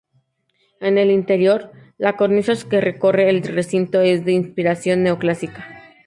En el interior, la cornisa que recorre el recinto es de inspiración neoclásica.